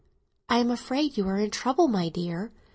"I am afraid you are in trouble, my dear.